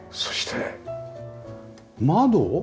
そして窓？